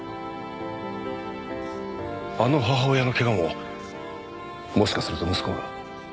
あの母親の怪我ももしかすると息子が。